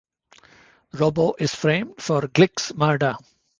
Robbo is framed for Glick's murder.